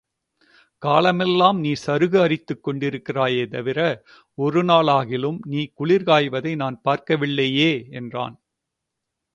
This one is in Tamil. காலமெல்லாம் நீ சருகு அரித்துக் கொண்டிருக்கிறாயே தவிர, ஒருநாளாகிலும் நீ குளிர்காய்வதை நான் பார்க்கவில்லையே! என்றான்.